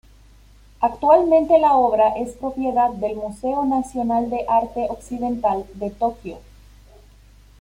Actualmente, la obra es propiedad del Museo Nacional de Arte Occidental de Tokio.